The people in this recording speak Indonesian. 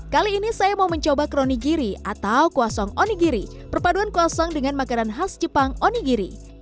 kali ini saya mau mencoba kronigiri atau kuasang onigiri perpaduan kosong dengan makanan khas jepang onigiri